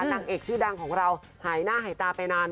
นางเอกชื่อดังของเราหายหน้าหายตาไปนาน